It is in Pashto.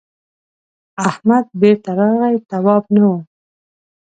احمد بېرته راغی تواب نه و.